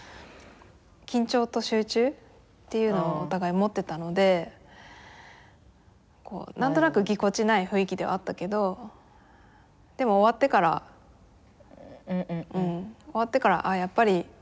緊張と集中っていうのをお互い持ってたので何となくぎこちない雰囲気ではあったけどでも終わってからうん終わってから「あっやっぱり私たち友達なんだな」と思って。